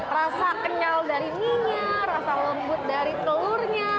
rasa kenyal dari mie nya rasa lembut dari telurnya